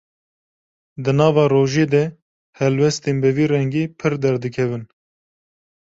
Di nava rojê de helwestên bi vî rengî pir derdikevin.